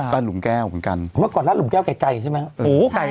ร้านหลุมแก้วร้านหลุมแก้วเหรอร้านหลุมแก้วเหรอร้านหลุมแก้วเหรอ